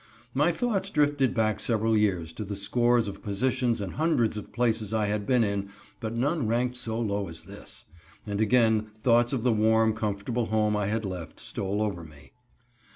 My thoughts drifted back several years to the scores of positions and hundreds of places I had been in, but none ranked so low as this; and again, thoughts of the warm, comfortable home I had left stole over me.